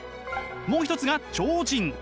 もう一つが超人。